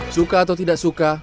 suka atau tidak suka